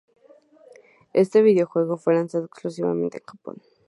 Este videojuego fue lanzado exclusivamente en Japón.